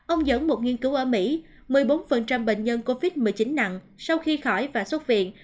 ông dẫn một nghiên cứu ở mỹ một mươi bốn bệnh nhân covid một mươi chín nặng sau khi khỏi và xuất viện